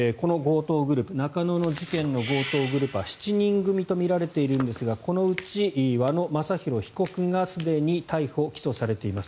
この中野の事件の強盗グループは７人組とみられているんですがこのうち和野正弘被告がすでに逮捕・起訴されています。